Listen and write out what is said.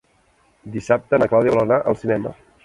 Dissabte na Clàudia vol anar al cinema.